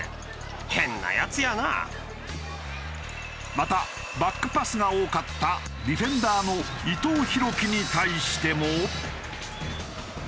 またバックパスが多かったディフェンダーの伊藤洋輝に対しても。